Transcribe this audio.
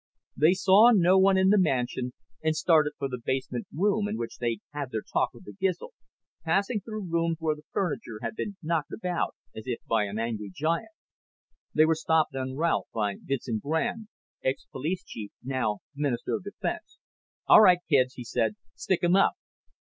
They saw no one in the mansion and started for the basement room in which they'd had their talk with the Gizl, passing through rooms where the furniture had been knocked about as if by an angry giant. They were stopped en route by Vincent Grande, ex police chief now Minister of Defense. "All right, kids," he said, "stick 'em up.